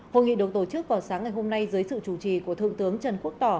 hội nghị được tổ chức vào sáng ngày hôm nay dưới sự chủ trì của thượng tướng trần quốc tỏ